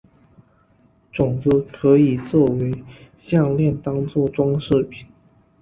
种子可以作成项炼当作装饰品。